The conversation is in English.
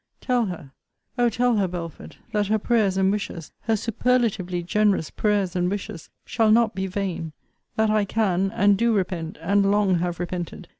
Tell her, O tell her, Belford, that her prayers and wishes, her superlatively generous prayers and wishes, shall not be vain: that I can, and do repent and long have repented.